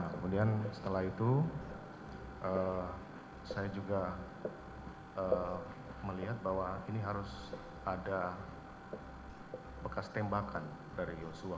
kemudian setelah itu saya juga melihat bahwa ini harus ada bekas tembakan dari yosua